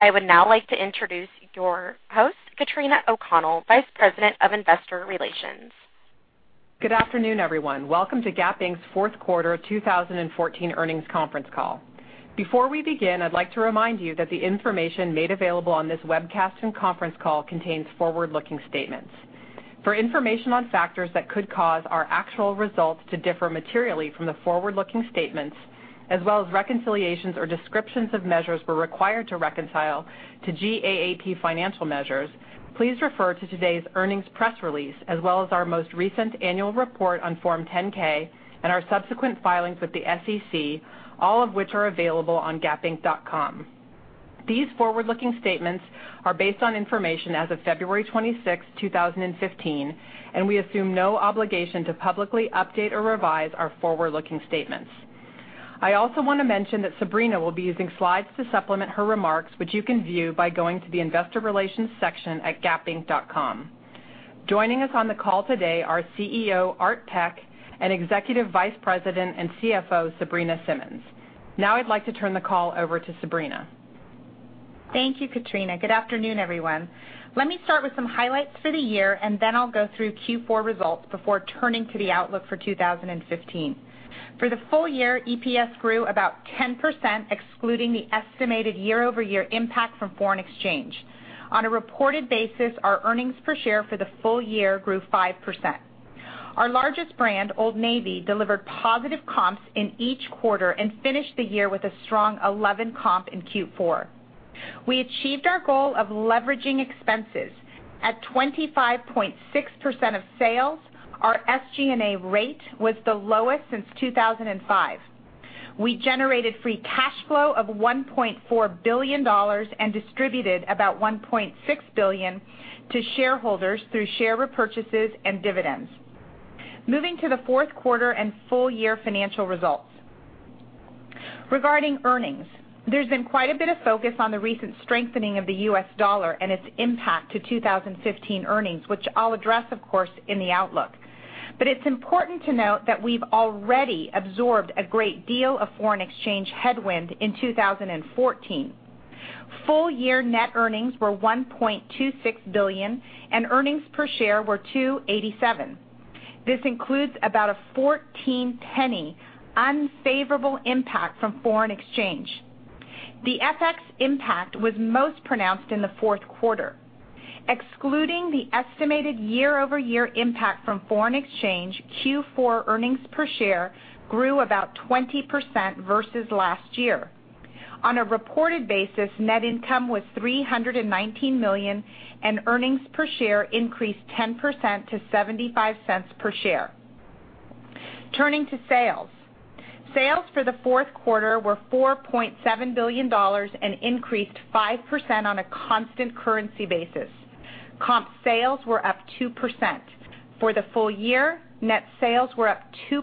I would now like to introduce your host, Katrina O'Connell, Vice President of Investor Relations. Good afternoon, everyone. Welcome to Gap Inc.'s fourth quarter 2014 earnings conference call. Before we begin, I'd like to remind you that the information made available on this webcast and conference call contains forward-looking statements. For information on factors that could cause our actual results to differ materially from the forward-looking statements, as well as reconciliations or descriptions of measures we're required to reconcile to GAAP financial measures, please refer to today's earnings press release, as well as our most recent annual report on Form 10-K and our subsequent filings with the SEC, all of which are available on gapinc.com. These forward-looking statements are based on information as of February 26, 2015, and we assume no obligation to publicly update or revise our forward-looking statements. I also want to mention that Sabrina will be using slides to supplement her remarks, which you can view by going to the investor relations section at gapinc.com. Joining us on the call today are CEO Art Peck and Executive Vice President and CFO Sabrina Simmons. Now I'd like to turn the call over to Sabrina. Thank you, Katrina. Good afternoon, everyone. Let me start with some highlights for the year, and then I'll go through Q4 results before turning to the outlook for 2015. For the full year, EPS grew about 10%, excluding the estimated year-over-year impact from foreign exchange. On a reported basis, our earnings per share for the full year grew 5%. Our largest brand, Old Navy, delivered positive comps in each quarter and finished the year with a strong 11 comp in Q4. We achieved our goal of leveraging expenses. At 25.6% of sales, our SG&A rate was the lowest since 2005. We generated free cash flow of $1.4 billion and distributed about $1.6 billion to shareholders through share repurchases and dividends. Moving to the fourth quarter and full year financial results. Regarding earnings, there's been quite a bit of focus on the recent strengthening of the U.S. dollar and its impact to 2015 earnings, which I'll address, of course, in the outlook. It's important to note that we've already absorbed a great deal of foreign exchange headwind in 2014. Full year net earnings were $1.26 billion, and earnings per share were $2.87. This includes about a $0.14 unfavorable impact from foreign exchange. The FX impact was most pronounced in the fourth quarter. Excluding the estimated year-over-year impact from foreign exchange, Q4 earnings per share grew about 20% versus last year. On a reported basis, net income was $319 million, and earnings per share increased 10% to $0.75 per share. Turning to sales. Sales for the fourth quarter were $4.7 billion and increased 5% on a constant currency basis. Comp sales were up 2%. For the full year, net sales were up 2%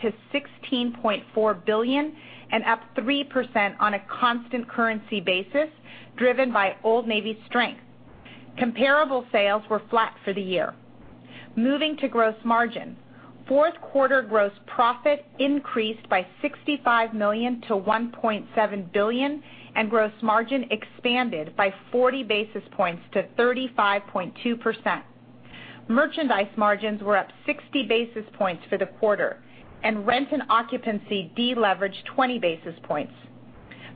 to $16.4 billion and up 3% on a constant currency basis, driven by Old Navy strength. Comparable sales were flat for the year. Moving to gross margin. Fourth quarter gross profit increased by $65 million to $1.7 billion, and gross margin expanded by 40 basis points to 35.2%. Merchandise margins were up 60 basis points for the quarter, and rent and occupancy deleveraged 20 basis points.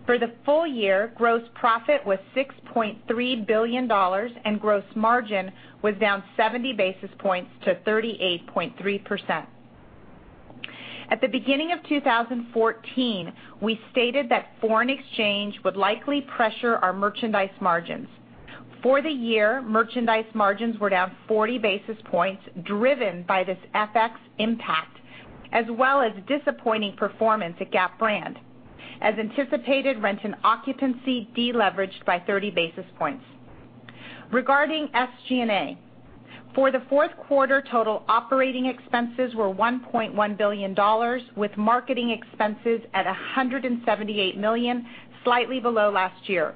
For the full year, gross profit was $6.3 billion, and gross margin was down 70 basis points to 38.3%. At the beginning of 2014, we stated that foreign exchange would likely pressure our merchandise margins. For the year, merchandise margins were down 40 basis points, driven by this FX impact, as well as disappointing performance at Gap brand. As anticipated, rent and occupancy deleveraged by 30 basis points. Regarding SG&A. For the fourth quarter, total operating expenses were $1.1 billion, with marketing expenses at $178 million, slightly below last year.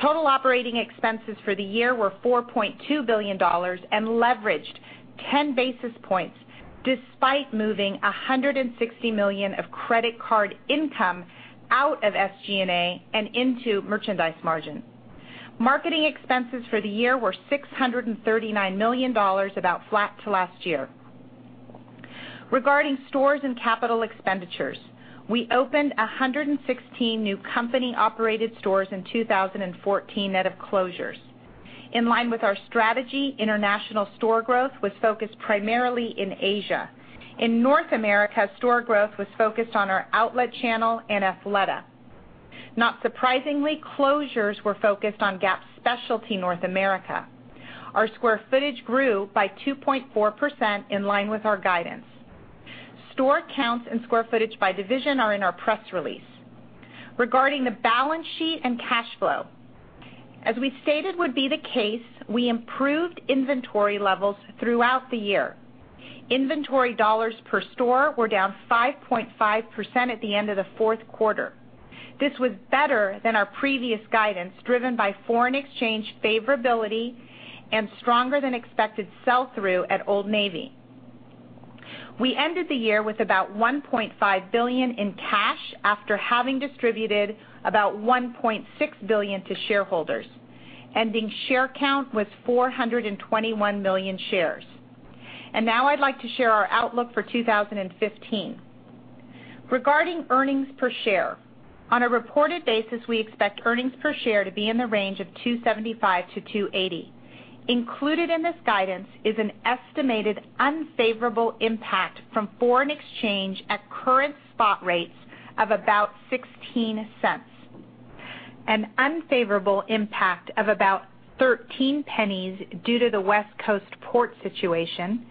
Total operating expenses for the year were $4.2 billion and leveraged 10 basis points despite moving $160 million of credit card income out of SG&A and into merchandise margin. Marketing expenses for the year were $639 million, about flat to last year. Regarding stores and capital expenditures, we opened 116 new company-operated stores in 2014 net of closures. In line with our strategy, international store growth was focused primarily in Asia. In North America, store growth was focused on our outlet channel and Athleta. Not surprisingly, closures were focused on Gap specialty North America. Our square footage grew by 2.4%, in line with our guidance. Store counts and square footage by division are in our press release. Regarding the balance sheet and cash flow, as we stated would be the case, we improved inventory levels throughout the year. Inventory dollars per store were down 5.5% at the end of the fourth quarter. This was better than our previous guidance, driven by foreign exchange favorability and stronger than expected sell-through at Old Navy. We ended the year with about $1.5 billion in cash after having distributed about $1.6 billion to shareholders. Ending share count was 421 million shares. Now I'd like to share our outlook for 2015. Regarding earnings per share, on a reported basis, we expect earnings per share to be in the range of $2.75-$2.80. Included in this guidance is an estimated unfavorable impact from foreign exchange at current spot rates of about $0.16, an unfavorable impact of about $0.13 due to the West Coast port situation,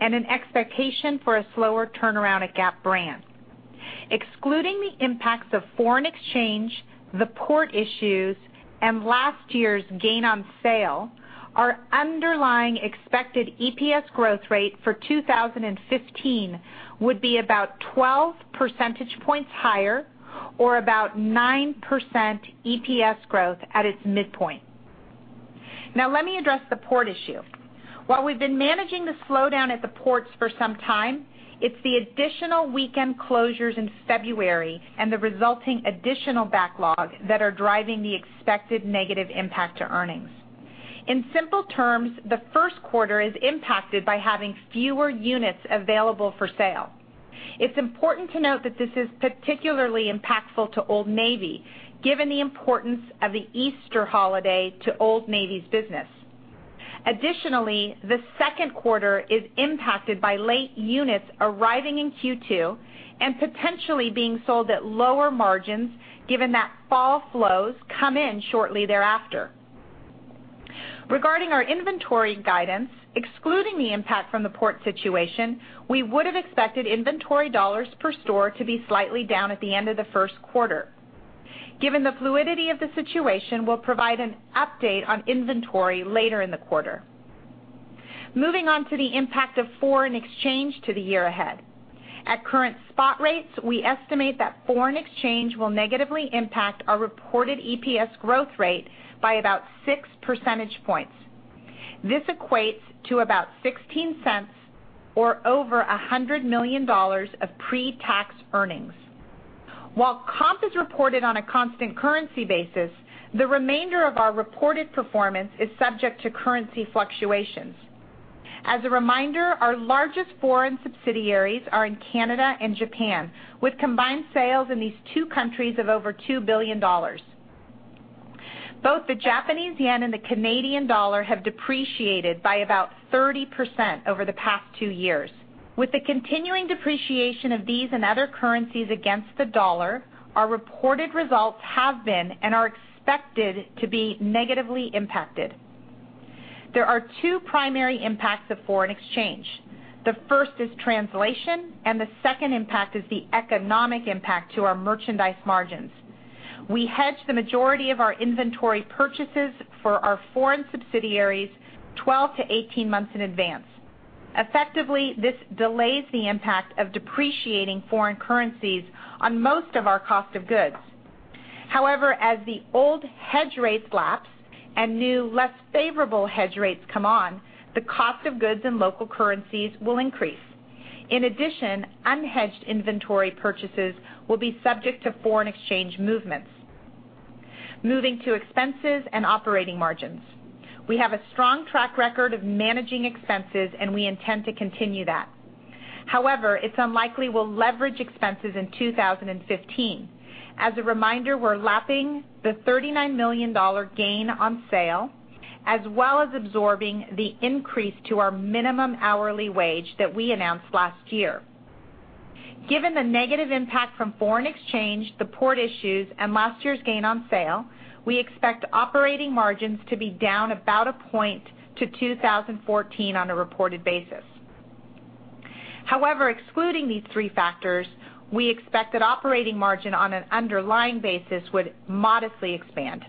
and an expectation for a slower turnaround at Gap brand. Excluding the impacts of foreign exchange, the port issues, and last year's gain on sale, our underlying expected EPS growth rate for 2015 would be about 12 percentage points higher or about 9% EPS growth at its midpoint. Now let me address the port issue. While we've been managing the slowdown at the ports for some time, it's the additional weekend closures in February and the resulting additional backlog that are driving the expected negative impact to earnings. In simple terms, the first quarter is impacted by having fewer units available for sale. It's important to note that this is particularly impactful to Old Navy, given the importance of the Easter holiday to Old Navy's business. Additionally, the second quarter is impacted by late units arriving in Q2 and potentially being sold at lower margins, given that fall flows come in shortly thereafter. Regarding our inventory guidance, excluding the impact from the port situation, we would have expected inventory dollars per store to be slightly down at the end of the first quarter. Given the fluidity of the situation, we'll provide an update on inventory later in the quarter. Moving on to the impact of foreign exchange to the year ahead. At current spot rates, we estimate that foreign exchange will negatively impact our reported EPS growth rate by about six percentage points. This equates to about $0.16 or over $100 million of pre-tax earnings. While comp is reported on a constant currency basis, the remainder of our reported performance is subject to currency fluctuations. As a reminder, our largest foreign subsidiaries are in Canada and Japan, with combined sales in these two countries of over $2 billion. Both the Japanese yen and the Canadian dollar have depreciated by about 30% over the past two years. With the continuing depreciation of these and other currencies against the dollar, our reported results have been and are expected to be negatively impacted. There are two primary impacts of foreign exchange. The first is translation, and the second impact is the economic impact to our merchandise margins. We hedge the majority of our inventory purchases for our foreign subsidiaries 12 to 18 months in advance. Effectively, this delays the impact of depreciating foreign currencies on most of our cost of goods. However, as the old hedge rates lapse and new, less favorable hedge rates come on, the cost of goods in local currencies will increase. In addition, unhedged inventory purchases will be subject to foreign exchange movements. Moving to expenses and operating margins. We have a strong track record of managing expenses, and we intend to continue that. However, it's unlikely we'll leverage expenses in 2015. As a reminder, we're lapping the $39 million gain on sale, as well as absorbing the increase to our minimum hourly wage that we announced last year. Given the negative impact from foreign exchange, the port issues, and last year's gain on sale, we expect operating margins to be down about a point to 2014 on a reported basis. However, excluding these three factors, we expect that operating margin on an underlying basis would modestly expand.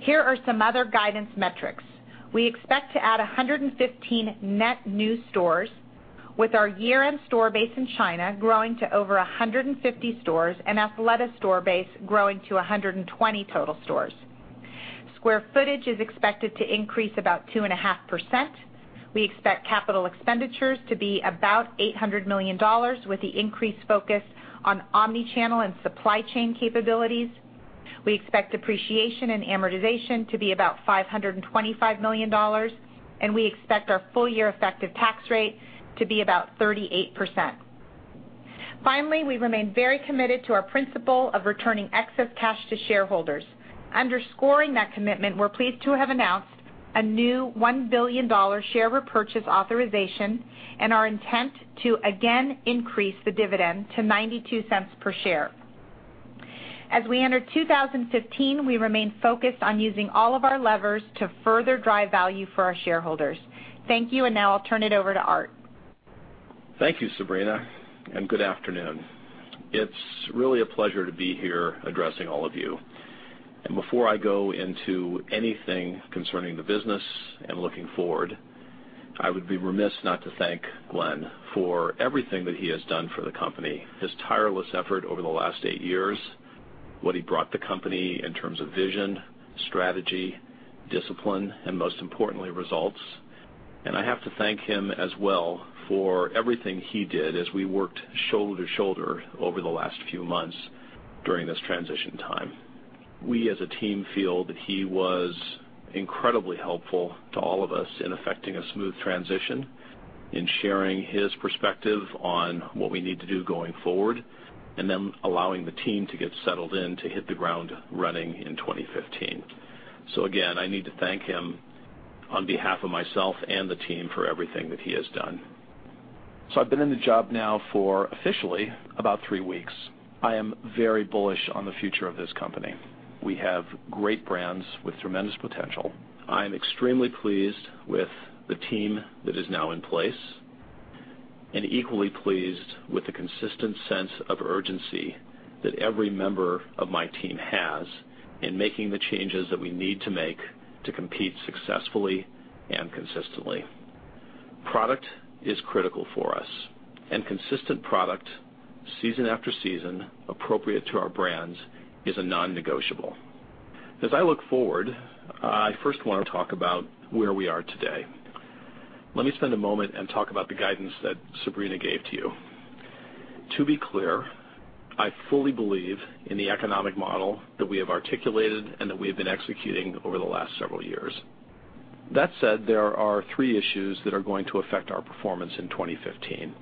Here are some other guidance metrics. We expect to add 115 net new stores, with our year-end store base in China growing to over 150 stores and Athleta store base growing to 120 total stores. Square footage is expected to increase about 2.5%. We expect capital expenditures to be about $800 million, with the increased focus on omni-channel and supply chain capabilities. We expect depreciation and amortization to be about $525 million, and we expect our full-year effective tax rate to be about 38%. Finally, we remain very committed to our principle of returning excess cash to shareholders. Underscoring that commitment, we are pleased to have announced a new $1 billion share repurchase authorization and our intent to again increase the dividend to $0.92 per share. As we enter 2015, we remain focused on using all of our levers to further drive value for our shareholders. Thank you, and now I will turn it over to Art. Thank you, Sabrina, and good afternoon. It is really a pleasure to be here addressing all of you. Before I go into anything concerning the business and looking forward, I would be remiss not to thank Glenn for everything that he has done for the company. His tireless effort over the last eight years. What he brought the company in terms of vision, strategy, discipline, and most importantly, results. I have to thank him as well for everything he did as we worked shoulder to shoulder over the last few months during this transition time. We, as a team, feel that he was incredibly helpful to all of us in effecting a smooth transition, in sharing his perspective on what we need to do going forward, allowing the team to get settled in to hit the ground running in 2015. Again, I need to thank him on behalf of myself and the team for everything that he has done. I have been in the job now for officially about three weeks. I am very bullish on the future of this company. We have great brands with tremendous potential. I am extremely pleased with the team that is now in place and equally pleased with the consistent sense of urgency that every member of my team has in making the changes that we need to make to compete successfully and consistently. Product is critical for us, and consistent product season after season appropriate to our brands is a non-negotiable. As I look forward, I first want to talk about where we are today. Let me spend a moment and talk about the guidance that Sabrina gave to you. To be clear, I fully believe in the economic model that we have articulated and that we have been executing over the last several years. That said, there are three issues that are going to affect our performance in 2015.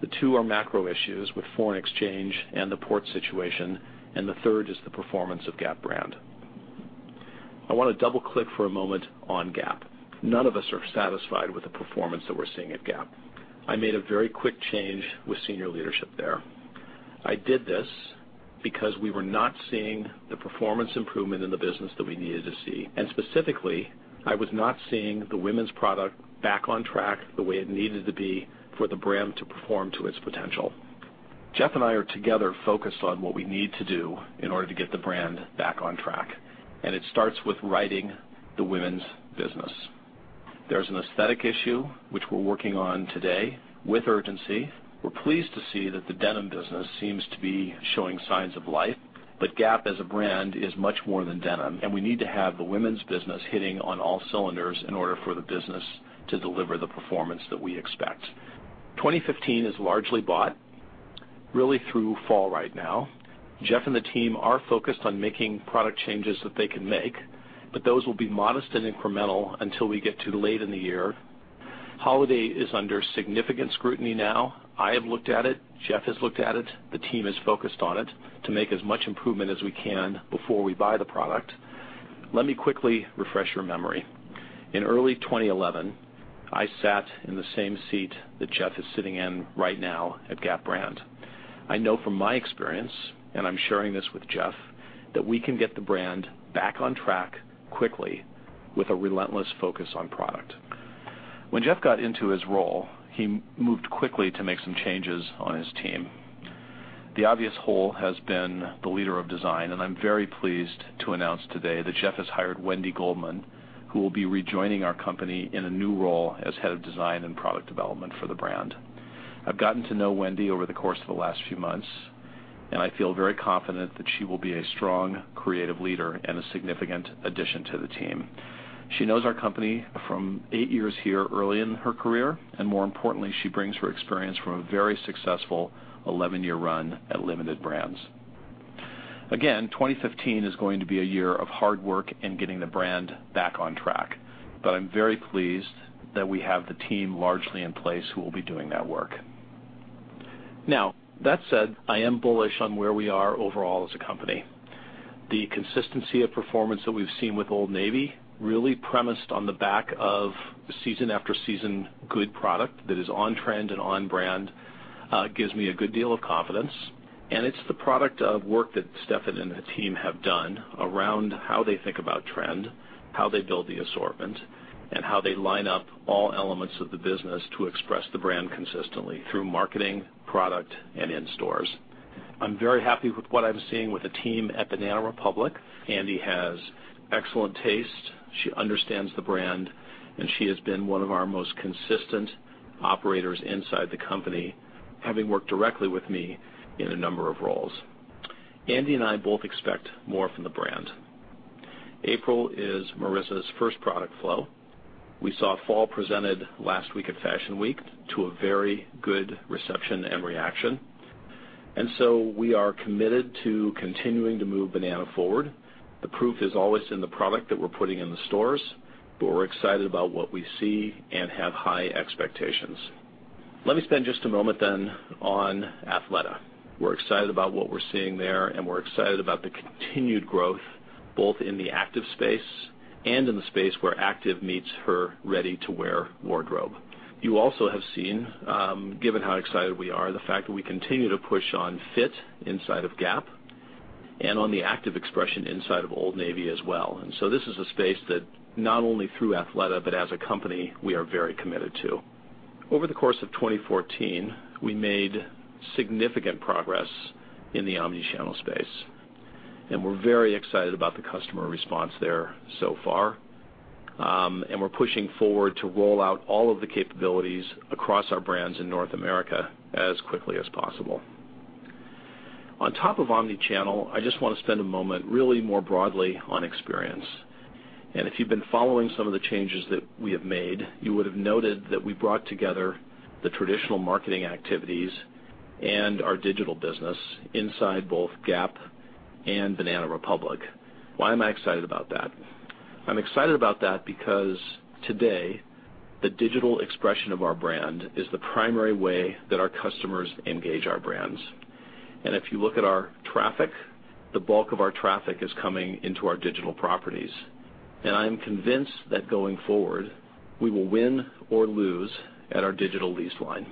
The two are macro issues with foreign exchange and the port situation, and the third is the performance of Gap brand. I want to double click for a moment on Gap. None of us are satisfied with the performance that we are seeing at Gap. I made a very quick change with senior leadership there. I did this because we were not seeing the performance improvement in the business that we needed to see. Specifically, I was not seeing the women's product back on track the way it needed to be for the brand to perform to its potential. Jeff and I are together focused on what we need to do in order to get the brand back on track. It starts with righting the women's business. There's an aesthetic issue which we're working on today with urgency. We're pleased to see that the denim business seems to be showing signs of life. Gap as a brand is much more than denim, and we need to have the women's business hitting on all cylinders in order for the business to deliver the performance that we expect. 2015 is largely bought really through fall right now. Jeff and the team are focused on making product changes that they can make, but those will be modest and incremental until we get to late in the year. Holiday is under significant scrutiny now. I have looked at it. Jeff has looked at it. The team is focused on it to make as much improvement as we can before we buy the product. Let me quickly refresh your memory. In early 2011, I sat in the same seat that Jeff is sitting in right now at Gap brand. I know from my experience, I'm sharing this with Jeff, that we can get the brand back on track quickly with a relentless focus on product. When Jeff got into his role, he moved quickly to make some changes on his team. The obvious hole has been the leader of design. I'm very pleased to announce today that Jeff has hired Wendi Goldman, who will be rejoining our company in a new role as head of design and product development for the brand. I've gotten to know Wendi over the course of the last few months. I feel very confident that she will be a strong creative leader and a significant addition to the team. She knows our company from eight years here early in her career. More importantly, she brings her experience from a very successful 11-year run at Limited Brands. 2015 is going to be a year of hard work and getting the brand back on track. I'm very pleased that we have the team largely in place who will be doing that work. That said, I am bullish on where we are overall as a company. The consistency of performance that we've seen with Old Navy really premised on the back of season after season good product that is on trend and on brand gives me a good deal of confidence. It's the product of work that Stefan and the team have done around how they think about trend, how they build the assortment, and how they line up all elements of the business to express the brand consistently through marketing, product, and in stores. I'm very happy with what I'm seeing with the team at Banana Republic. Andi has excellent taste. She understands the brand, and she has been one of our most consistent operators inside the company, having worked directly with me in a number of roles. Andi and I both expect more from the brand. April is Marissa's first product flow. We saw fall presented last week at Fashion Week to a very good reception and reaction. We are committed to continuing to move Banana forward. The proof is always in the product that we're putting in the stores, but we're excited about what we see and have high expectations. Let me spend just a moment on Athleta. We're excited about what we're seeing there, and we're excited about the continued growth both in the active space and in the space where active meets her ready-to-wear wardrobe. You also have seen, given how excited we are, the fact that we continue to push on fit inside of Gap and on the active expression inside of Old Navy as well. This is a space that not only through Athleta, but as a company we are very committed to. Over the course of 2014, we made significant progress in the omnichannel space, and we're very excited about the customer response there so far. We're pushing forward to roll out all of the capabilities across our brands in North America as quickly as possible. On top of omnichannel, I just want to spend a moment really more broadly on experience. If you've been following some of the changes that we have made, you would have noted that we brought together the traditional marketing activities and our digital business inside both Gap and Banana Republic. Why am I excited about that? I'm excited about that because today, the digital expression of our brand is the primary way that our customers engage our brands. If you look at our traffic, the bulk of our traffic is coming into our digital properties. I am convinced that going forward, we will win or lose at our digital lease line.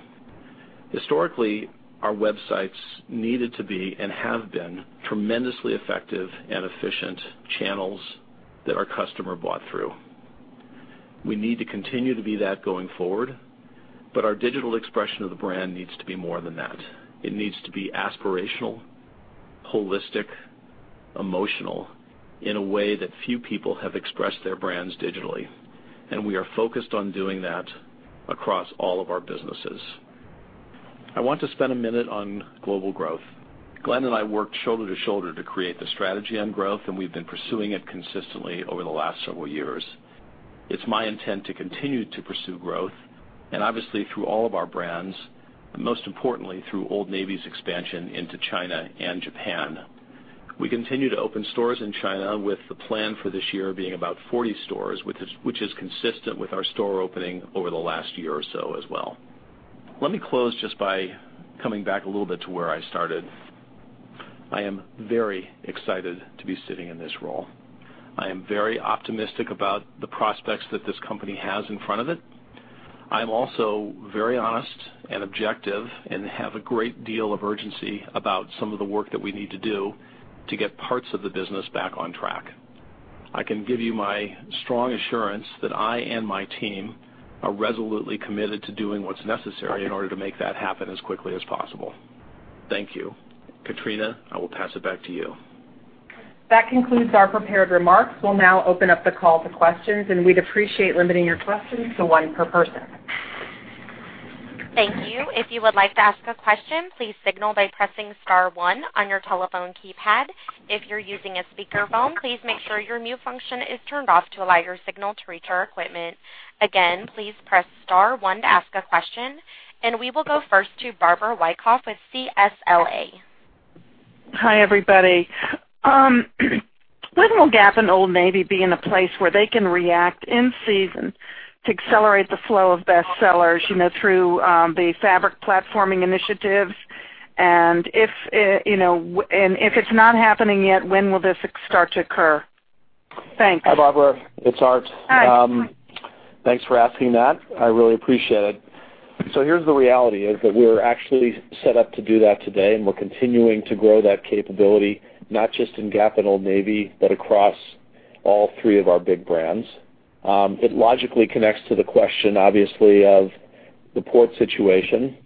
Historically, our websites needed to be and have been tremendously effective and efficient channels that our customer bought through. We need to continue to be that going forward, but our digital expression of the brand needs to be more than that. It needs to be aspirational, holistic, emotional in a way that few people have expressed their brands digitally. We are focused on doing that across all of our businesses. I want to spend a minute on global growth. Glenn and I worked shoulder to shoulder to create the strategy on growth, and we've been pursuing it consistently over the last several years. It's my intent to continue to pursue growth and obviously through all of our brands, but most importantly through Old Navy's expansion into China and Japan. We continue to open stores in China with the plan for this year being about 40 stores, which is consistent with our store opening over the last year or so as well. Let me close just by coming back a little bit to where I started. I am very excited to be sitting in this role. I am very optimistic about the prospects that this company has in front of it. I'm also very honest and objective and have a great deal of urgency about some of the work that we need to do to get parts of the business back on track. I can give you my strong assurance that I and my team are resolutely committed to doing what's necessary in order to make that happen as quickly as possible. Thank you. Katrina, I will pass it back to you. That concludes our prepared remarks. We'll now open up the call to questions. We'd appreciate limiting your questions to one per person. Thank you. If you would like to ask a question, please signal by pressing star one on your telephone keypad. If you're using a speakerphone, please make sure your mute function is turned off to allow your signal to reach our equipment. Again, please press star one to ask a question. We will go first to Barbara Wyckoff with CLSA. Hi, everybody. When will Gap and Old Navy be in a place where they can react in season to accelerate the flow of best sellers through the fabric platforming initiatives? If it's not happening yet, when will this start to occur? Thanks. Hi, Barbara. It's Art. Hi. Thanks for asking that. I really appreciate it. Here's the reality is that we're actually set up to do that today, and we're continuing to grow that capability, not just in Gap and Old Navy, but across all three of our big brands. It logically connects to the question, obviously, of the port situation.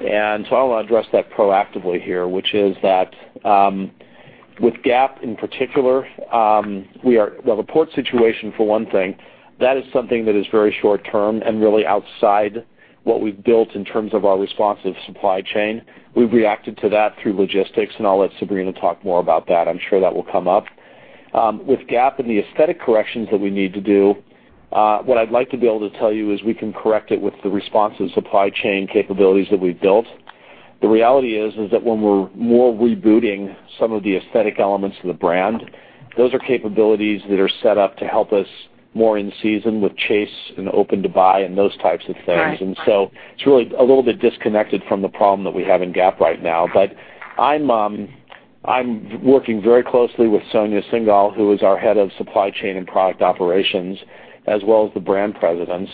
I want to address that proactively here, which is that with Gap in particular, well, the port situation, for one thing, that is something that is very short term and really outside what we've built in terms of our responsive supply chain. We've reacted to that through logistics, and I'll let Sabrina talk more about that. I'm sure that will come up. With Gap and the aesthetic corrections that we need to do, what I'd like to be able to tell you is we can correct it with the responsive supply chain capabilities that we've built. The reality is that when we're more rebooting some of the aesthetic elements of the brand, those are capabilities that are set up to help us more in season with chase and open to buy and those types of things. Right. It's really a little bit disconnected from the problem that we have in Gap right now. I'm working very closely with Sonia Syngal, who is our head of supply chain and product operations, as well as the brand presidents.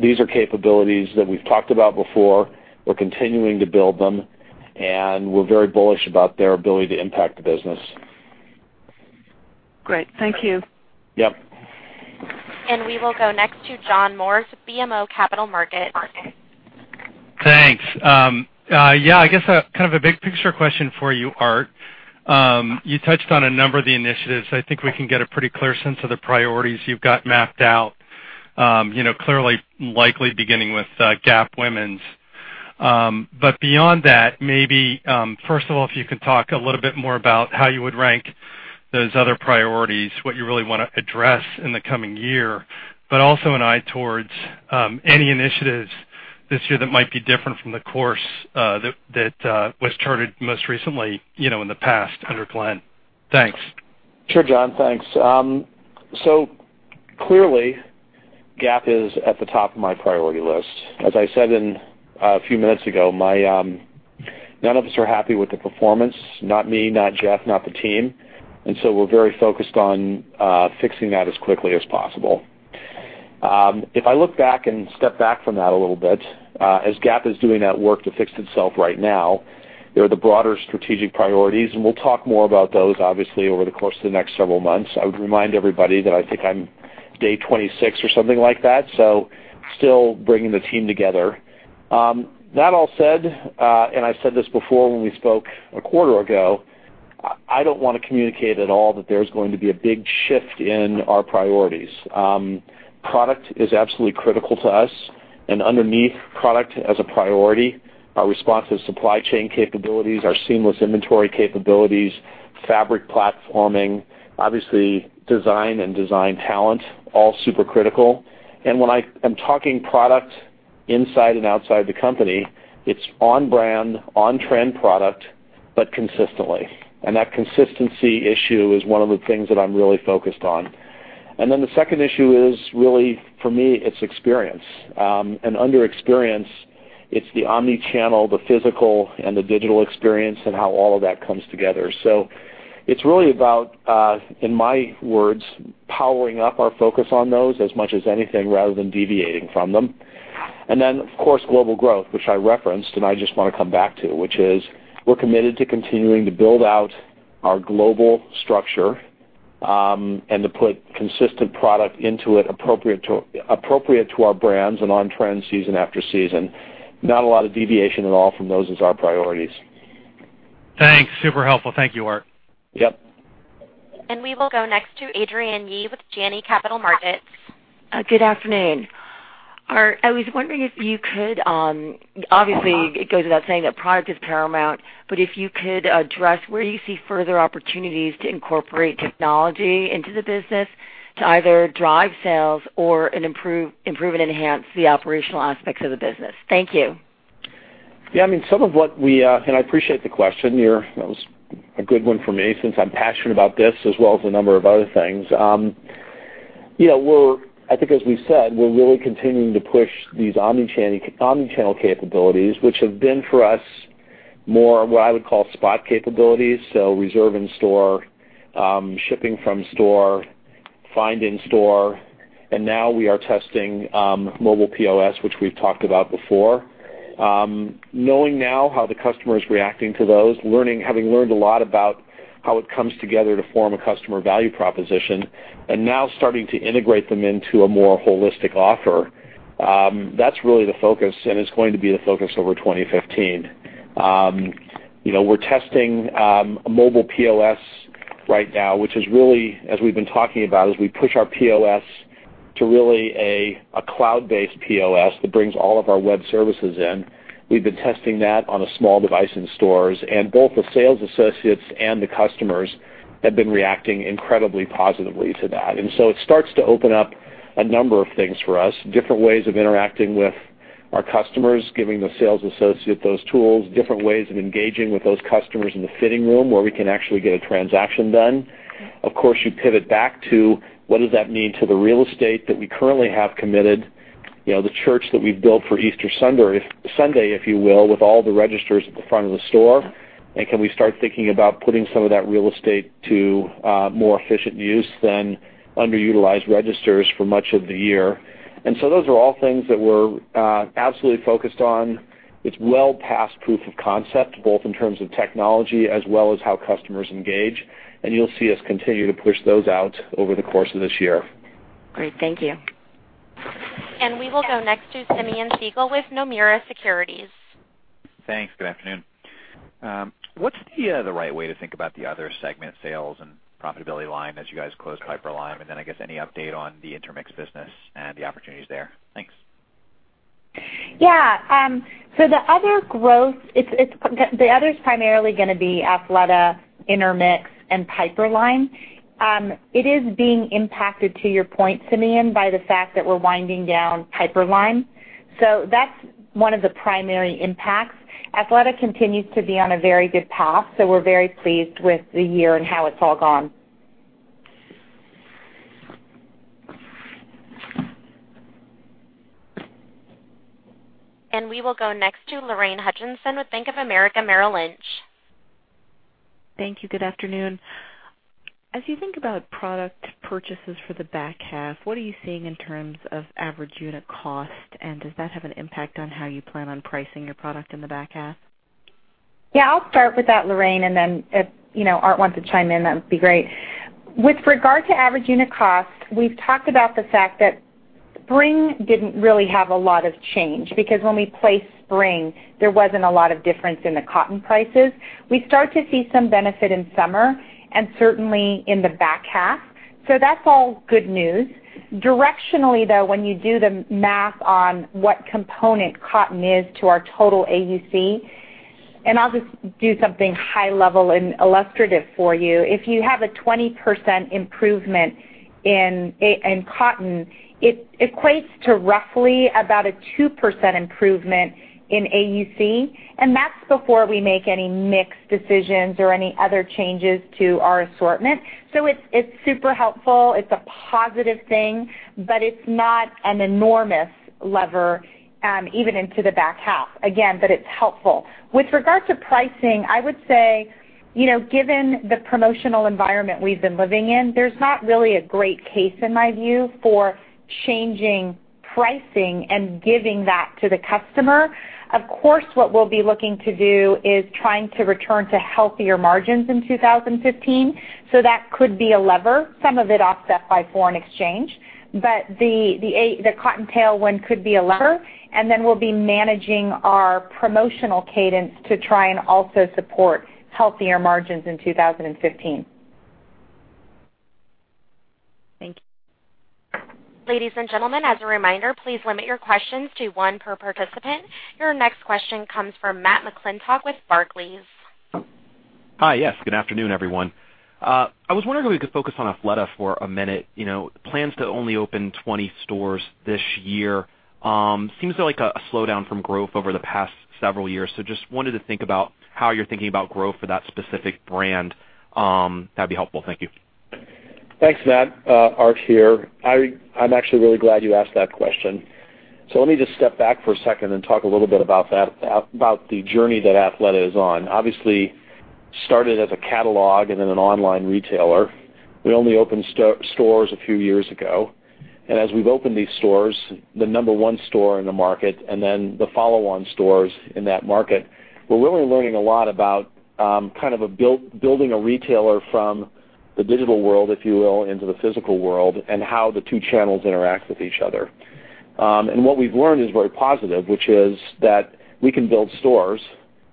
These are capabilities that we've talked about before. We're continuing to build them, and we're very bullish about their ability to impact the business. Great. Thank you. Yep. We will go next to John Morris, BMO Capital Markets. Thanks. Yeah, I guess kind of a big picture question for you, Art. You touched on a number of the initiatives. I think we can get a pretty clear sense of the priorities you've got mapped out. Clearly, likely beginning with Gap Women's. Beyond that, maybe, first of all, if you could talk a little bit more about how you would rank those other priorities, what you really want to address in the coming year, but also an eye towards any initiatives this year that might be different from the course that was charted most recently in the past under Glenn. Thanks. Sure, John. Thanks. Clearly, Gap is at the top of my priority list. As I said a few minutes ago, none of us are happy with the performance, not me, not Jeff, not the team. We're very focused on fixing that as quickly as possible. If I look back and step back from that a little bit, as Gap is doing that work to fix itself right now, there are the broader strategic priorities, and we'll talk more about those obviously over the course of the next several months. I would remind everybody that I think I'm day 26 or something like that, so still bringing the team together. That all said, and I've said this before when we spoke a quarter ago I don't want to communicate at all that there's going to be a big shift in our priorities. Product is absolutely critical to us, and underneath product as a priority, our responsive supply chain capabilities, our seamless inventory capabilities, fabric platforming, obviously design and design talent, all super critical. When I am talking product inside and outside the company, it's on-brand, on-trend product, but consistently. That consistency issue is one of the things that I'm really focused on. Then the second issue is really, for me, it's experience. Under experience, it's the omni-channel, the physical, and the digital experience, and how all of that comes together. It's really about, in my words, powering up our focus on those as much as anything, rather than deviating from them. Of course, global growth, which I referenced, I just want to come back to, which is we're committed to continuing to build out our global structure, and to put consistent product into it appropriate to our brands and on trend season after season. Not a lot of deviation at all from those as our priorities. Thanks. Super helpful. Thank you, Art. Yep. We will go next to Adrienne Yih with Janney Capital Markets. Good afternoon. Art, I was wondering, obviously, it goes without saying that product is paramount, but if you could address where you see further opportunities to incorporate technology into the business to either drive sales or improve and enhance the operational aspects of the business. Thank you. Yeah. I appreciate the question. That was a good one for me, since I'm passionate about this as well as a number of other things. I think as we said, we're really continuing to push these omni-channel capabilities, which have been for us more what I would call spot capabilities. Reserve in store, shipping from store, find in store. Now we are testing mobile POS, which we've talked about before. Knowing now how the customer is reacting to those, having learned a lot about how it comes together to form a customer value proposition, and now starting to integrate them into a more holistic offer. That's really the focus, and it's going to be the focus over 2015. We're testing mobile POS right now, which is really, as we've been talking about, as we push our POS to really a cloud-based POS that brings all of our web services in. We've been testing that on a small device in stores, and both the sales associates and the customers have been reacting incredibly positively to that. It starts to open up a number of things for us. Different ways of interacting with our customers, giving the sales associate those tools. Different ways of engaging with those customers in the fitting room, where we can actually get a transaction done. Of course, you pivot back to what does that mean to the real estate that we currently have committed. The church that we've built for Easter Sunday, if you will, with all the registers at the front of the store. Can we start thinking about putting some of that real estate to more efficient use than underutilized registers for much of the year. Those are all things that we're absolutely focused on. It's well past proof of concept, both in terms of technology as well as how customers engage. You'll see us continue to push those out over the course of this year. Great. Thank you. We will go next to Simeon Siegel with Nomura Securities. Thanks. Good afternoon. What's the right way to think about the other segment sales and profitability line as you guys close Piperlime? Then, I guess, any update on the Intermix business and the opportunities there. Thanks. Yeah. The other growth, the other's primarily going to be Athleta, Intermix, and Piperlime. It is being impacted to your point, Simeon, by the fact that we're winding down Piperlime. That's one of the primary impacts. Athleta continues to be on a very good path, so we're very pleased with the year and how it's all gone. We will go next to Lorraine Hutchinson with Bank of America Merrill Lynch. Thank you. Good afternoon. As you think about product purchases for the back half, what are you seeing in terms of average unit cost? Does that have an impact on how you plan on pricing your product in the back half? Yeah. I'll start with that, Lorraine, and then if Art wants to chime in, that would be great. With regard to average unit cost, we've talked about the fact that spring didn't really have a lot of change, because when we placed spring, there wasn't a lot of difference in the cotton prices. We start to see some benefit in summer, and certainly in the back half. That's all good news. Directionally, though, when you do the math on what component cotton is to our total AUC, and I'll just do something high level and illustrative for you. If you have a 20% improvement in cotton, it equates to roughly about a 2% improvement in AUC, and that's before we make any mix decisions or any other changes to our assortment. It's super helpful. It's a positive thing, it's not an enormous lever, even into the back half. Again, it's helpful. With regard to pricing, I would say, given the promotional environment we've been living in, there's not really a great case in my view for changing pricing and giving that to the customer. Of course, what we'll be looking to do is trying to return to healthier margins in 2015. That could be a lever, some of it offset by foreign exchange. The cotton tailwind could be a lever. We'll be managing our promotional cadence to try and also support healthier margins in 2015. Thank you. Ladies and gentlemen, as a reminder, please limit your questions to one per participant. Your next question comes from Matthew McClintock with Barclays. Hi. Yes. Good afternoon, everyone. I was wondering if we could focus on Athleta for a minute. Plans to only open 20 stores this year seems like a slowdown from growth over the past several years. Just wanted to think about how you're thinking about growth for that specific brand. That'd be helpful. Thank you. Thanks, Matt. Art here. I'm actually really glad you asked that question. Let me just step back for a second and talk a little bit about the journey that Athleta is on. Obviously, started as a catalog and then an online retailer. We only opened stores a few years ago. As we've opened these stores, the number 1 store in the market, and then the follow-on stores in that market, we're really learning a lot about building a retailer from the digital world, if you will, into the physical world, and how the two channels interact with each other. What we've learned is very positive, which is that we can build stores,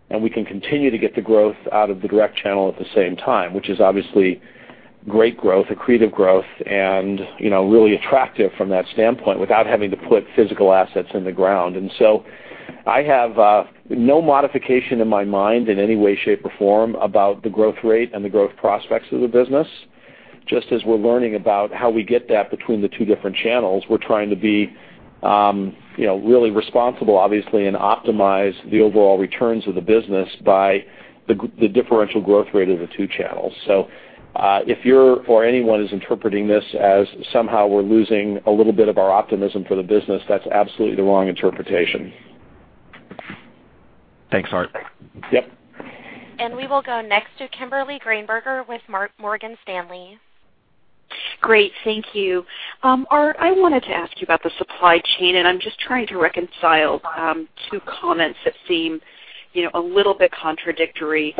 and we can continue to get the growth out of the direct channel at the same time, which is obviously great growth, accretive growth, and really attractive from that standpoint without having to put physical assets in the ground. I have no modification in my mind in any way, shape, or form about the growth rate and the growth prospects of the business. Just as we're learning about how we get that between the two different channels, we're trying to be really responsible, obviously, and optimize the overall returns of the business by the differential growth rate of the two channels. If you're or anyone is interpreting this as somehow we're losing a little bit of our optimism for the business, that's absolutely the wrong interpretation. Thanks, Art. Yep. We will go next to Kimberly Greenberger with Morgan Stanley. Great. Thank you. Art, I wanted to ask you about the supply chain, I'm just trying to reconcile two comments that seem a little bit contradictory.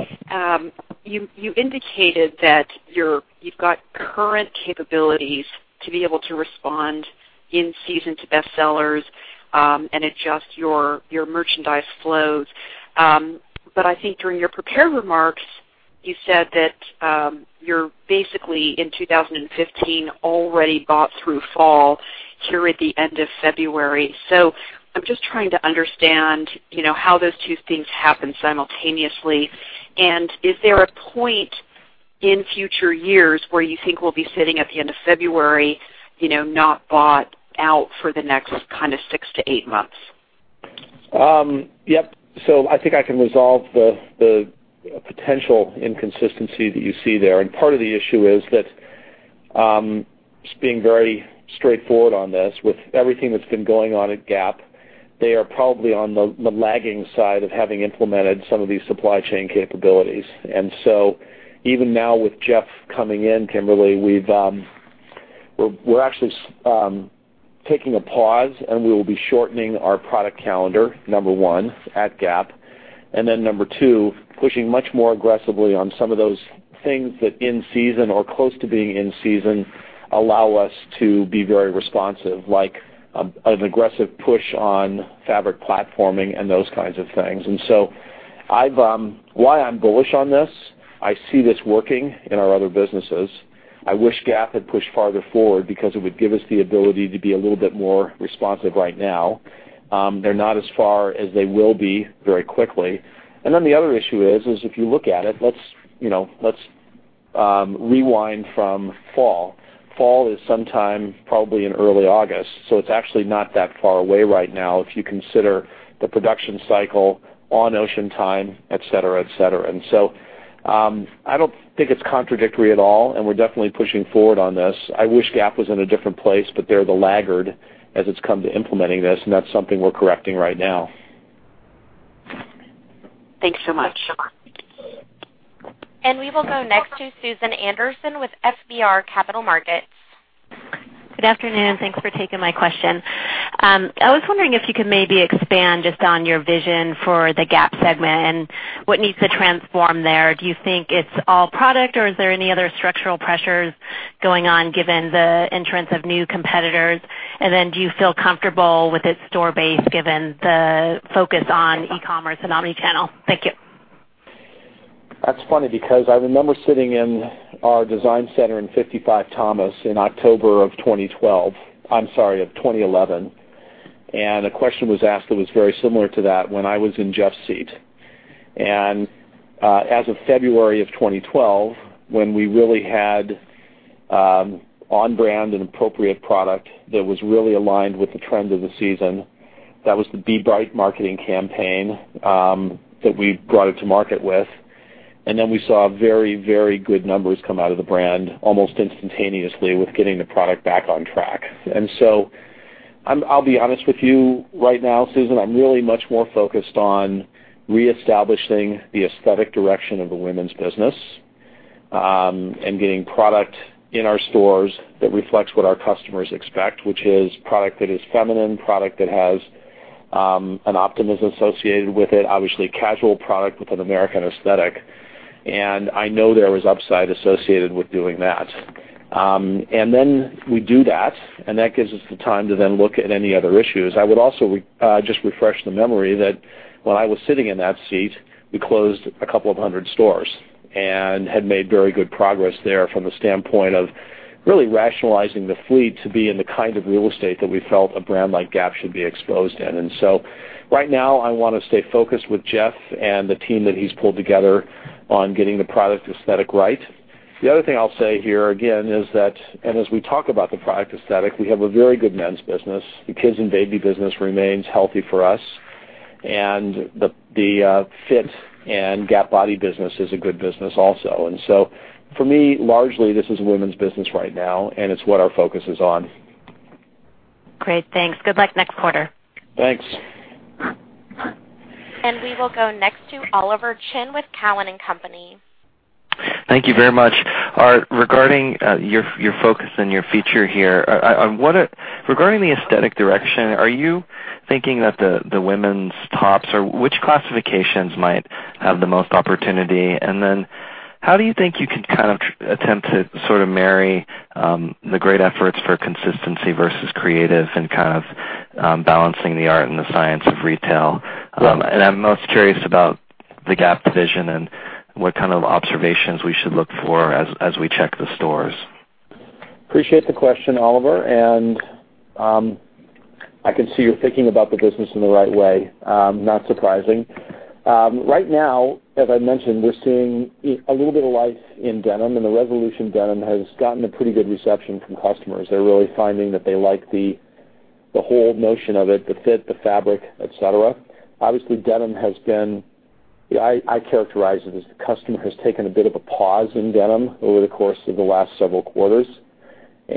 You indicated that you've got current capabilities to be able to respond in season to best sellers and adjust your merchandise flows. I think during your prepared remarks, you said that you're basically in 2015 already bought through fall here at the end of February. I'm just trying to understand how those two things happen simultaneously. Is there a point in future years where you think we'll be sitting at the end of February, not bought out for the next six to eight months? Yep. I think I can resolve the potential inconsistency that you see there. Part of the issue is that, just being very straightforward on this, with everything that's been going on at Gap, they are probably on the lagging side of having implemented some of these supply chain capabilities. Even now with Jeff coming in, Kimberly, we're actually taking a pause, we will be shortening our product calendar, number one, at Gap. Number two, pushing much more aggressively on some of those things that in season or close to being in season allow us to be very responsive, like an aggressive push on fabric platforming and those kinds of things. Why I'm bullish on this, I see this working in our other businesses. I wish Gap had pushed farther forward because it would give us the ability to be a little bit more responsive right now. They're not as far as they will be very quickly. The other issue is, if you look at it, let's rewind from fall. Fall is sometime probably in early August, so it's actually not that far away right now if you consider the production cycle on ocean time, et cetera. I don't think it's contradictory at all, and we're definitely pushing forward on this. I wish Gap was in a different place, they're the laggard as it's come to implementing this, and that's something we're correcting right now. Thanks so much. We will go next to Susan Anderson with FBR Capital Markets. Good afternoon. Thanks for taking my question. I was wondering if you could maybe expand just on your vision for the Gap segment and what needs to transform there. Do you think it's all product, or is there any other structural pressures going on given the entrance of new competitors? Do you feel comfortable with its store base given the focus on e-commerce and omnichannel? Thank you. That's funny because I remember sitting in our design center in 55 Thomas in October of 2012. I'm sorry, of 2011. A question was asked that was very similar to that when I was in Jeff's seat. As of February of 2012, when we really had on-brand and appropriate product that was really aligned with the trend of the season, that was the Be Bright marketing campaign that we brought it to market with. Then we saw very good numbers come out of the brand almost instantaneously with getting the product back on track. I'll be honest with you right now, Susan, I'm really much more focused on reestablishing the aesthetic direction of the women's business, and getting product in our stores that reflects what our customers expect, which is product that is feminine, product that has an optimism associated with it. Obviously, casual product with an American aesthetic. I know there was upside associated with doing that. Then we do that, and that gives us the time to then look at any other issues. I would also just refresh the memory that when I was sitting in that seat, we closed a couple of hundred stores and had made very good progress there from the standpoint of really rationalizing the fleet to be in the kind of real estate that we felt a brand like Gap should be exposed in. Right now, I want to stay focused with Jeff and the team that he's pulled together on getting the product aesthetic right. The other thing I'll say here again is that, as we talk about the product aesthetic, we have a very good men's business. The kids and baby business remains healthy for us, the GapFit and GapBody business is a good business also. For me, largely, this is a women's business right now, and it's what our focus is on. Great. Thanks. Good luck next quarter. Thanks. We will go next to Oliver Chen with Cowen and Company. Thank you very much. Art, regarding your focus and your feature here, regarding the aesthetic direction, are you thinking that the women's tops or which classifications might have the most opportunity? How do you think you can kind of attempt to sort of marry the great efforts for consistency versus creative and kind of balancing the art and the science of retail? I'm most curious about the Gap division and what kind of observations we should look for as we check the stores. Appreciate the question, Oliver. I can see you're thinking about the business in the right way. Not surprising. Right now, as I mentioned, we're seeing a little bit of life in denim. The Revolution Denim has gotten a pretty good reception from customers. They're really finding that they like the whole notion of it, the fit, the fabric, et cetera. Obviously, I characterize it as the customer has taken a bit of a pause in denim over the course of the last several quarters.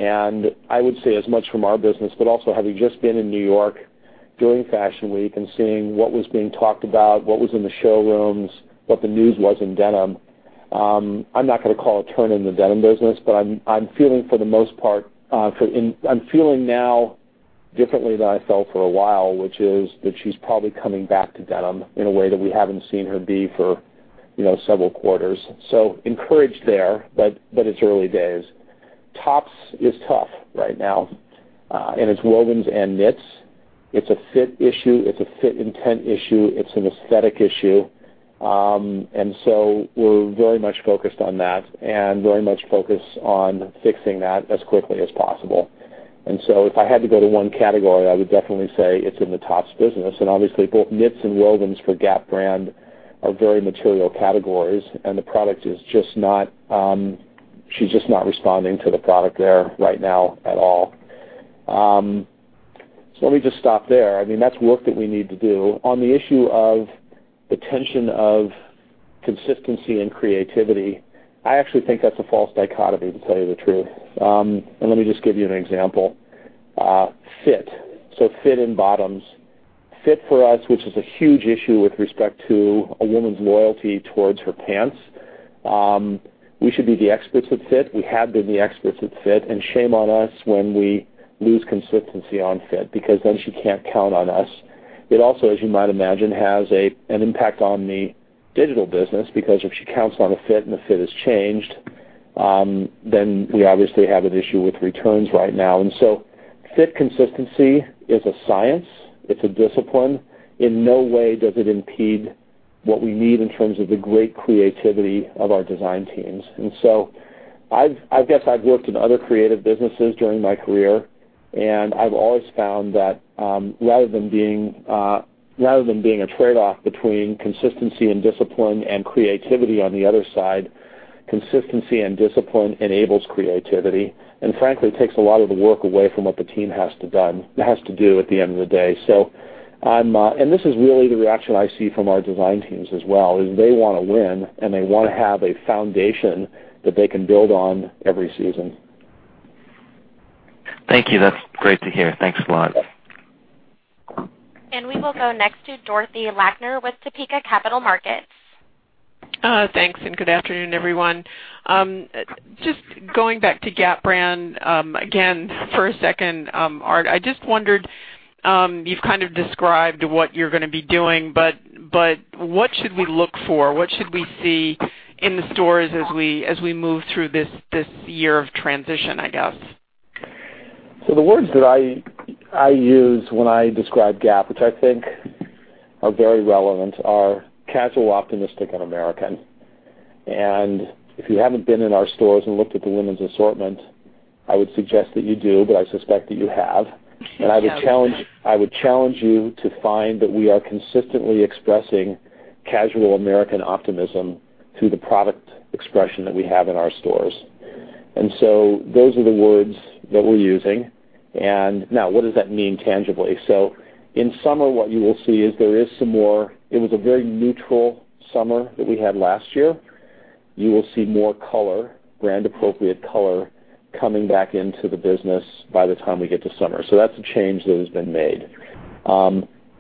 I would say as much from our business, but also having just been in New York during Fashion Week and seeing what was being talked about, what was in the showrooms, what the news was in denim. I'm not going to call a turn in the denim business. I'm feeling now differently than I felt for a while, which is that she's probably coming back to denim in a way that we haven't seen her be for several quarters. Encouraged there. It's early days. Tops is tough right now. It's wovens and knits. It's a fit issue. It's a fit intent issue. It's an aesthetic issue. We're very much focused on that and very much focused on fixing that as quickly as possible. If I had to go to one category, I would definitely say it's in the tops business. Obviously, both knits and wovens for Gap brand are very material categories. She's just not responding to the product there right now at all. Let me just stop there. I mean, that's work that we need to do. On the issue of the tension of consistency and creativity, I actually think that's a false dichotomy, to tell you the truth. Let me just give you an example. Fit. Fit in bottoms. Fit for us, which is a huge issue with respect to a woman's loyalty towards her pants. We should be the experts at fit. We have been the experts at fit, and shame on us when we lose consistency on fit, because then she can't count on us. It also, as you might imagine, has an impact on the digital business, because if she counts on a fit and the fit has changed, then we obviously have an issue with returns right now. Fit consistency is a science. It's a discipline. In no way does it impede what we need in terms of the great creativity of our design teams. I guess I've worked in other creative businesses during my career, and I've always found that rather than being a trade-off between consistency and discipline and creativity on the other side, consistency and discipline enables creativity, and frankly, takes a lot of the work away from what the team has to do at the end of the day. This is really the reaction I see from our design teams as well, is they want to win, and they want to have a foundation that they can build on every season. Thank you. That's great to hear. Thanks a lot. We will go next to Dorothy Lakner with Topeka Capital Markets. Thanks. Good afternoon, everyone. Just going back to Gap brand again for a second, Art. I just wondered, you've kind of described what you're going to be doing, but what should we look for? What should we see in the stores as we move through this year of transition, I guess? The words that I use when I describe Gap, which I think are very relevant, are casual, optimistic, and American. If you haven't been in our stores and looked at the women's assortment, I would suggest that you do, but I suspect that you have. I have. I would challenge you to find that we are consistently expressing casual American optimism through the product expression that we have in our stores. Those are the words that we're using. Now what does that mean tangibly? In summer, what you will see is it was a very neutral summer that we had last year. You will see more color, brand appropriate color, coming back into the business by the time we get to summer. That's a change that has been made.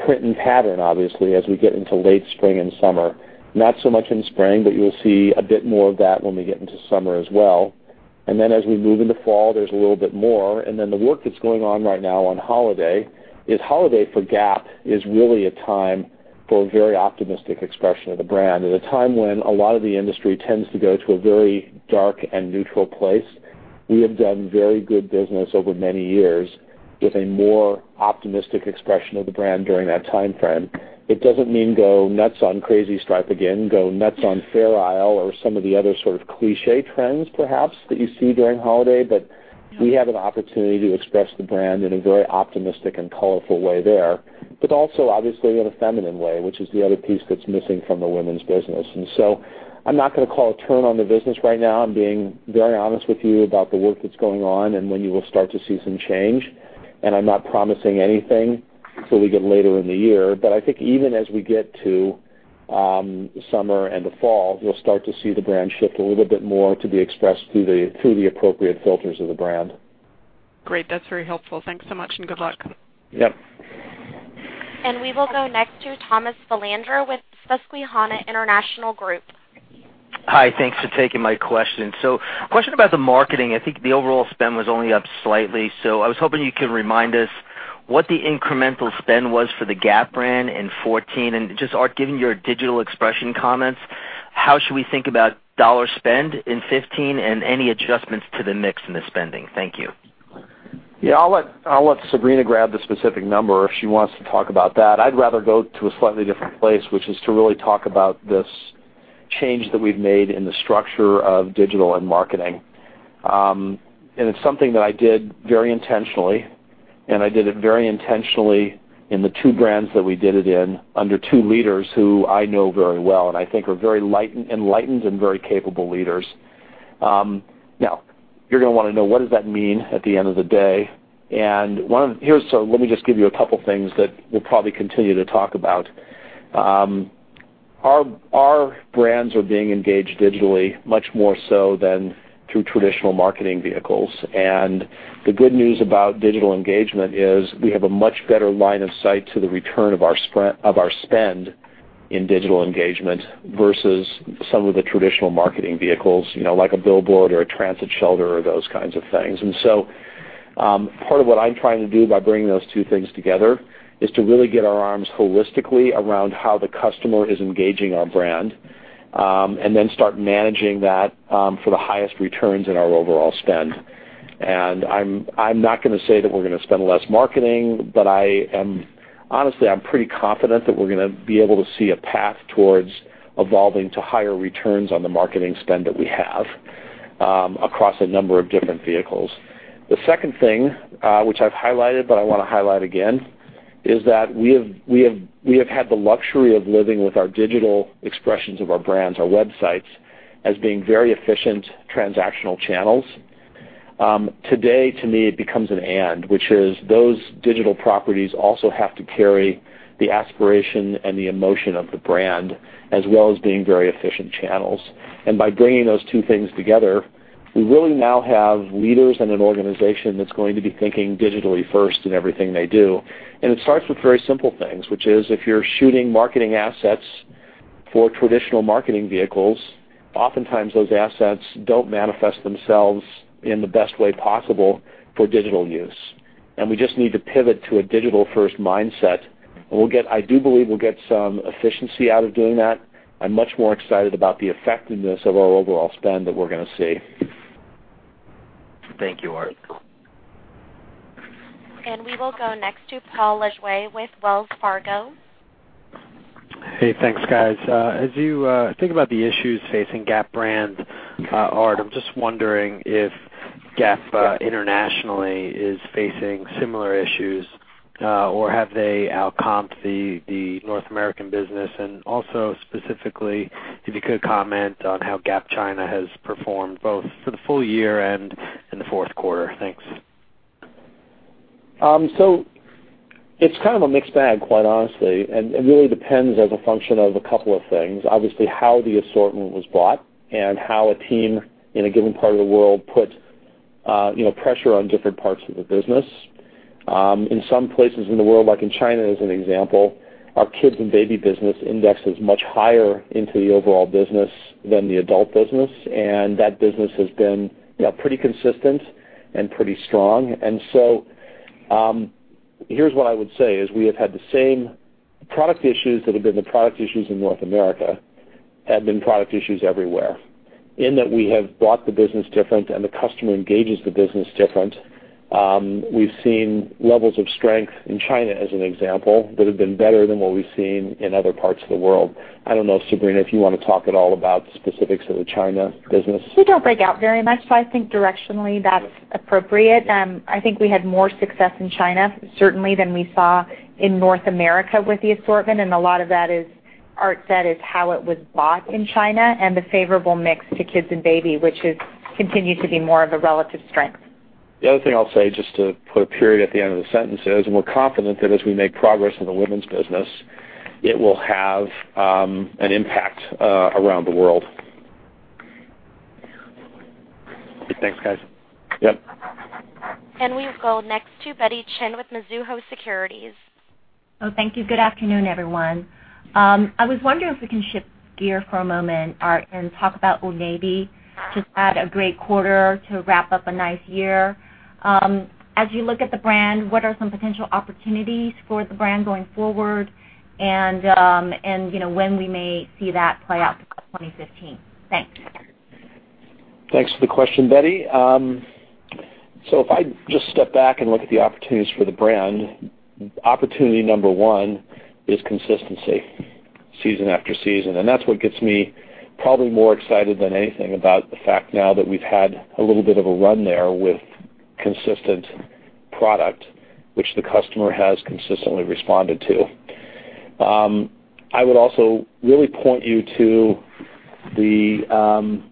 Print and pattern, obviously, as we get into late spring and summer. Not so much in spring, but you'll see a bit more of that when we get into summer as well. Then as we move into fall, there's a little bit more. The work that's going on right now on holiday is holiday for Gap is really a time for a very optimistic expression of the brand. At a time when a lot of the industry tends to go to a very dark and neutral place, we have done very good business over many years with a more optimistic expression of the brand during that timeframe. It doesn't mean go nuts on crazy stripe again, go nuts on Fair Isle or some of the other sort of cliché trends perhaps that you see during holiday. We have an opportunity to express the brand in a very optimistic and colorful way there, but also obviously in a feminine way, which is the other piece that's missing from the women's business. I'm not going to call a turn on the business right now. I'm being very honest with you about the work that's going on and when you will start to see some change. I'm not promising anything till we get later in the year. I think even as we get to summer and the fall, you'll start to see the brand shift a little bit more to be expressed through the appropriate filters of the brand. Great. That's very helpful. Thanks so much and good luck. Yep. We will go next to Thomas Filandro with Susquehanna International Group. Hi. Thanks for taking my question. Question about the marketing. I think the overall spend was only up slightly. I was hoping you could remind us what the incremental spend was for the Gap brand in 2014. Just, Art, given your digital expression comments, how should we think about $ spend in 2015 and any adjustments to the mix in the spending? Thank you. Yeah, I'll let Sabrina grab the specific number if she wants to talk about that. I'd rather go to a slightly different place, which is to really talk about this change that we've made in the structure of digital and marketing. It's something that I did very intentionally, and I did it very intentionally in the 2 brands that we did it in under 2 leaders who I know very well and I think are very enlightened and very capable leaders. Now, you're going to want to know what does that mean at the end of the day. Let me just give you a couple things that we'll probably continue to talk about. Our brands are being engaged digitally much more so than through traditional marketing vehicles. The good news about digital engagement is we have a much better line of sight to the return of our spend in digital engagement versus some of the traditional marketing vehicles like a billboard or a transit shelter or those kinds of things. Part of what I'm trying to do by bringing those 2 things together is to really get our arms holistically around how the customer is engaging our brand, and then start managing that for the highest returns in our overall spend. I'm not going to say that we're going to spend less marketing, but honestly, I'm pretty confident that we're going to be able to see a path towards evolving to higher returns on the marketing spend that we have across a number of different vehicles. The second thing, which I've highlighted, but I want to highlight again, is that we have had the luxury of living with our digital expressions of our brands, our websites, as being very efficient, transactional channels. Today, to me, it becomes an and, which is those digital properties also have to carry the aspiration and the emotion of the brand, as well as being very efficient channels. By bringing those 2 things together, we really now have leaders in an organization that's going to be thinking digitally first in everything they do. It starts with very simple things, which is if you're shooting marketing assets for traditional marketing vehicles, oftentimes those assets don't manifest themselves in the best way possible for digital use. We just need to pivot to a digital-first mindset, and I do believe we'll get some efficiency out of doing that. I'm much more excited about the effectiveness of our overall spend that we're going to see. Thank you, Art. We will go next to Paul Lejuez with Wells Fargo. Hey, thanks, guys. As you think about the issues facing Gap brand, Art, I'm just wondering if Gap internationally is facing similar issues, or have they out-comped the North American business? Also specifically, if you could comment on how Gap China has performed, both for the full year and in the fourth quarter. Thanks. It's kind of a mixed bag, quite honestly. It really depends as a function of a couple of things. Obviously, how the assortment was bought and how a team in a given part of the world put pressure on different parts of the business. In some places in the world, like in China as an example, our kids and baby business index is much higher into the overall business than the adult business, and that business has been pretty consistent and pretty strong. Here's what I would say, is we have had the same product issues that have been the product issues in North America, have been product issues everywhere. In that we have bought the business different and the customer engages the business different. We've seen levels of strength in China, as an example, that have been better than what we've seen in other parts of the world. I don't know, Sabrina, if you want to talk at all about specifics of the China business. We don't break out very much. I think directionally that's appropriate. I think we had more success in China, certainly than we saw in North America with the assortment. A lot of that is, Art said, is how it was bought in China and the favorable mix to kids and baby, which has continued to be more of a relative strength. The other thing I'll say, just to put a period at the end of the sentence, is we're confident that as we make progress in the women's business, it will have an impact around the world. Thanks, guys. Yep. We will go next to Betty Chen with Mizuho Securities. Thank you. Good afternoon, everyone. I was wondering if we can shift gear for a moment, Art, and talk about Old Navy. Just had a great quarter to wrap up a nice year. As you look at the brand, what are some potential opportunities for the brand going forward and when we may see that play out for 2015? Thanks. Thanks for the question, Betty. If I just step back and look at the opportunities for the brand, opportunity number 1 is consistency season after season. That's what gets me probably more excited than anything about the fact now that we've had a little bit of a run there with consistent product, which the customer has consistently responded to. I would also really point you to the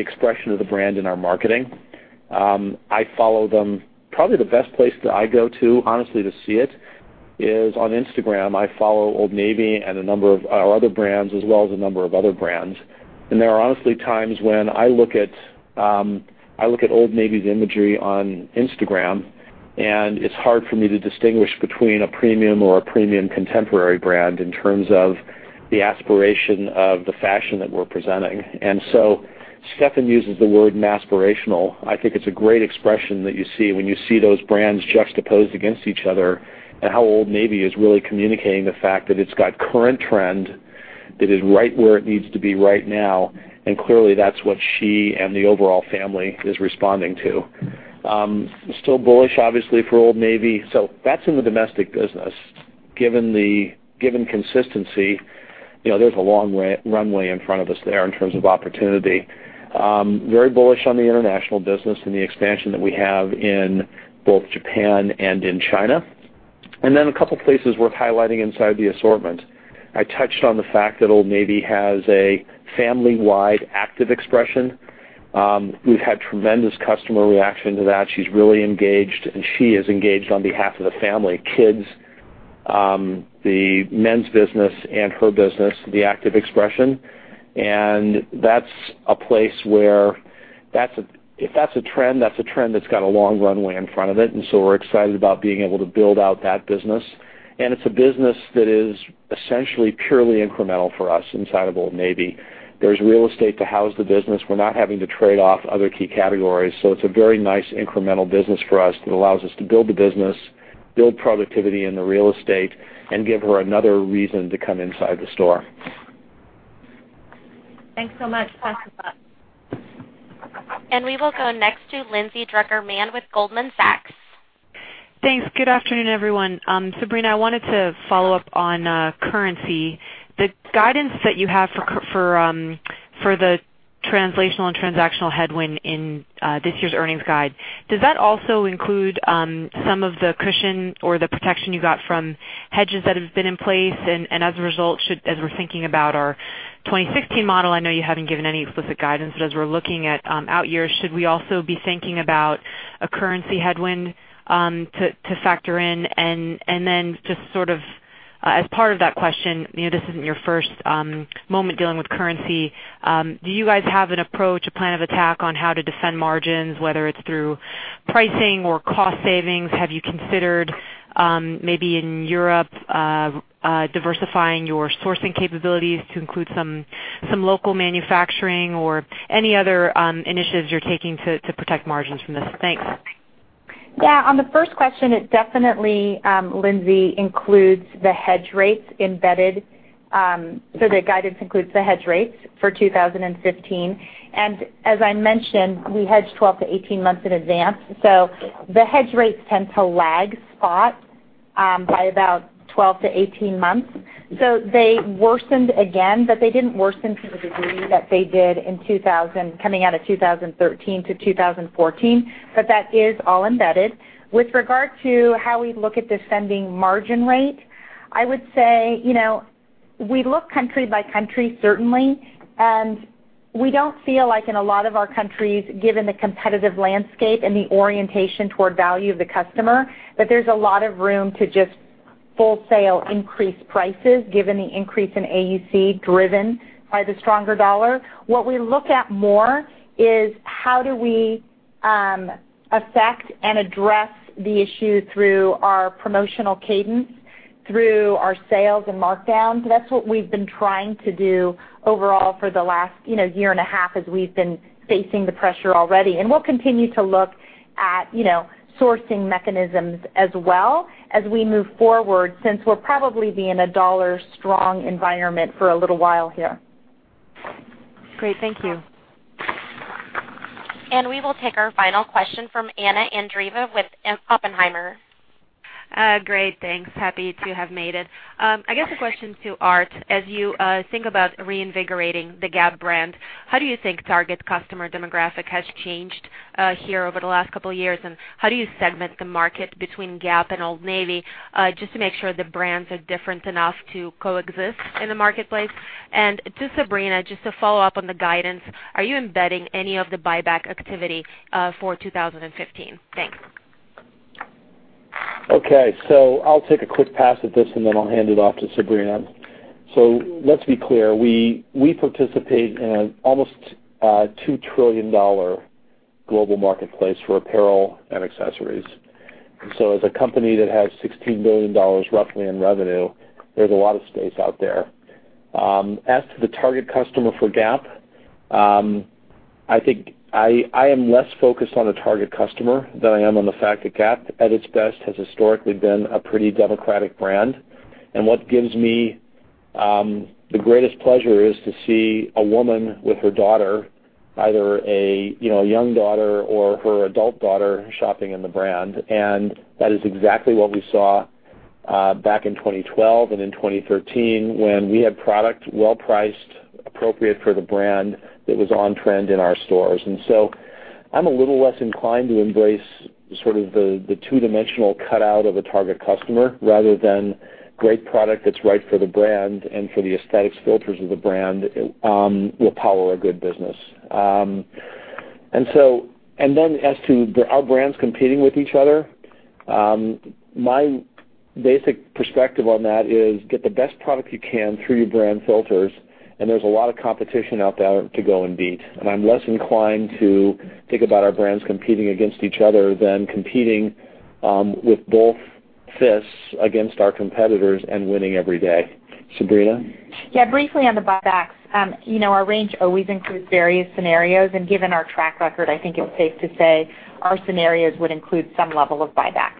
expression of the brand in our marketing. Probably the best place that I go to, honestly, to see it is on Instagram. I follow Old Navy and our other brands, as well as a number of other brands. There are honestly times when I look at Old Navy's imagery on Instagram, and it's hard for me to distinguish between a premium or a premium contemporary brand in terms of the aspiration of the fashion that we're presenting. Stefan uses the word masspirational. I think it's a great expression that you see when you see those brands juxtaposed against each other and how Old Navy is really communicating the fact that it's got current trend, that is right where it needs to be right now. Clearly, that's what she and the overall family is responding to. Still bullish, obviously, for Old Navy. That's in the domestic business. Given consistency, there's a long runway in front of us there in terms of opportunity. Very bullish on the international business and the expansion that we have in both Japan and in China. A couple of places worth highlighting inside the assortment. I touched on the fact that Old Navy has a family-wide active expression. We've had tremendous customer reaction to that. She's really engaged, and she is engaged on behalf of the family, kids, the men's business, and her business, the active expression. That's a place where, if that's a trend, that's a trend that's got a long runway in front of it. We're excited about being able to build out that business. It's a business that is essentially purely incremental for us inside of Old Navy. There's real estate to house the business. We're not having to trade off other key categories. It's a very nice incremental business for us that allows us to build the business, build productivity in the real estate, and give her another reason to come inside the store. Thanks so much. We will go next to Lindsay Drucker Mann with Goldman Sachs. Thanks. Good afternoon, everyone. Sabrina, I wanted to follow up on currency. The guidance that you have for the translational and transactional headwind in this year's earnings guide, does that also include some of the cushion or the protection you got from hedges that have been in place? As a result, as we're thinking about our 2016 model, I know you haven't given any explicit guidance, but as we're looking at out years, should we also be thinking about a currency headwind to factor in? Just as part of that question, this isn't your first moment dealing with currency. Do you guys have an approach, a plan of attack on how to defend margins, whether it's through pricing or cost savings? Have you considered maybe in Europe diversifying your sourcing capabilities to include some local manufacturing or any other initiatives you're taking to protect margins from this? Thanks. Yeah. On the first question, it definitely, Lindsay, includes the hedge rates embedded. The guidance includes the hedge rates for 2015. As I mentioned, we hedge 12 to 18 months in advance. The hedge rates tend to lag spot by about 12 to 18 months. They worsened again, but they didn't worsen to the degree that they did coming out of 2013 to 2014. That is all embedded. With regard to how we look at descending margin rate, I would say we look country by country, certainly, and we don't feel like in a lot of our countries, given the competitive landscape and the orientation toward value of the customer, that there's a lot of room to just full-scale increase prices given the increase in AUC driven by the stronger dollar. What we look at more is how do we affect and address the issue through our promotional cadence, through our sales and markdowns. That's what we've been trying to do overall for the last year and a half as we've been facing the pressure already. We'll continue to look at sourcing mechanisms as well as we move forward, since we'll probably be in a dollar strong environment for a little while here. Great. Thank you. We will take our final question from Anna Andreeva with Oppenheimer. Great, thanks. Happy to have made it. I guess the question to Art, as you think about reinvigorating the Gap brand, how do you think target customer demographic has changed here over the last couple of years, and how do you segment the market between Gap and Old Navy just to make sure the brands are different enough to coexist in the marketplace? To Sabrina, just to follow up on the guidance, are you embedding any of the buyback activity for 2015? Thanks. Okay. I'll take a quick pass at this, and then I'll hand it off to Sabrina. Let's be clear. We participate in an almost $2 trillion global marketplace for apparel and accessories. As a company that has $16 billion roughly in revenue, there's a lot of space out there. As to the target customer for Gap, I think I am less focused on the target customer than I am on the fact that Gap, at its best, has historically been a pretty democratic brand. What gives me the greatest pleasure is to see a woman with her daughter, either a young daughter or her adult daughter, shopping in the brand. That is exactly what we saw back in 2012 and in 2013, when we had product well-priced, appropriate for the brand that was on-trend in our stores. I'm a little less inclined to embrace sort of the two-dimensional cutout of a target customer rather than great product that's right for the brand and for the aesthetics filters of the brand will power a good business. As to our brands competing with each other, my basic perspective on that is get the best product you can through your brand filters, and there's a lot of competition out there to go and beat. I'm less inclined to think about our brands competing against each other than competing with both fists against our competitors and winning every day. Sabrina? Yeah, briefly on the buybacks. Our range always includes various scenarios. Given our track record, I think it's safe to say our scenarios would include some level of buyback.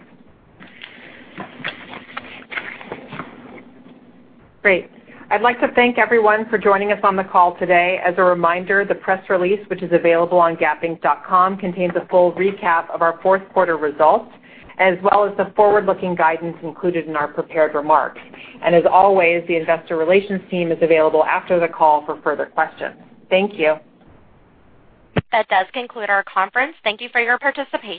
Great. I'd like to thank everyone for joining us on the call today. As a reminder, the press release, which is available on gapinc.com, contains a full recap of our fourth quarter results, as well as the forward-looking guidance included in our prepared remarks. As always, the investor relations team is available after the call for further questions. Thank you. That does conclude our conference. Thank you for your participation.